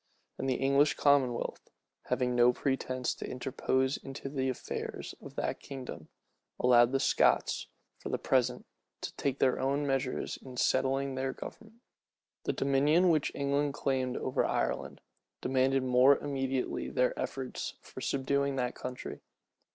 And the English commonwealth, having no pretence to interpose in the affairs of that kingdom, allowed the Scots, for the present, to take their own measures in settling their government. The dominion which England claimed over Ireland, demanded more immediately their efforts for subduing that country.